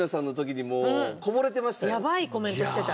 やばいコメントしてた。